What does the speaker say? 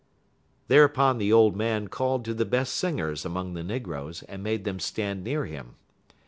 Thereupon the old man called to the best singers among the negroes and made them stand near him.